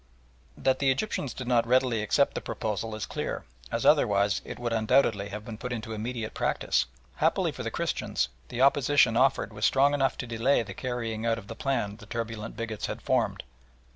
That the Egyptians did not readily accept the proposal is clear, as otherwise it would undoubtedly have been put into immediate practice. Happily for the Christians the opposition offered was strong enough to delay the carrying out of the plan the turbulent bigots had formed.